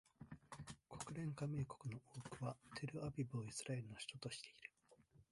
国連加盟国の多くはテルアビブをイスラエルの首都としている